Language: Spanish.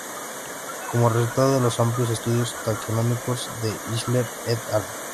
Como resultado de los amplios estudios taxonómicos de Isler "et al".